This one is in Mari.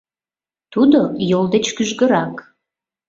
Тудо йол деч кӱжгырак.